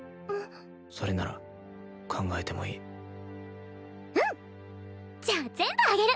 それなら考えてもいいうんじゃあ全部あげる！